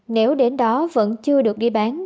nếu đến đó vẫn chưa được đi bán